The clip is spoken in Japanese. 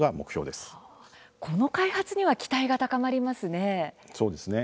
この開発には期待が高まりますね。